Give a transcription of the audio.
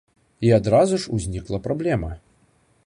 І адразу ж узнікла праблема.